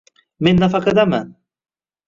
Men nafaqadaman.